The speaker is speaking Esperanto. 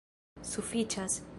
sufiĉas